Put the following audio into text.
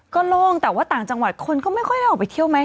ก็โล่งแต่ว่าต่างจังหวัดคนก็ไม่ค่อยได้ออกไปเที่ยวไหม